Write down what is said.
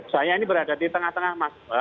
saya ini berada di tengah tengah masyarakat